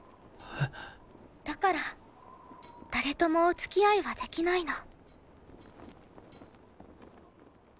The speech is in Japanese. だから誰ともお付き合いはできないの。